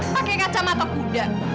pake kacamata kuda